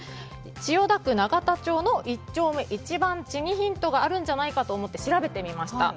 千代田区永田町の１丁目１番地にヒントがあるんじゃないかと思い調べてみました。